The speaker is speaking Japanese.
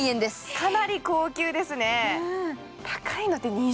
かなり高級ですね。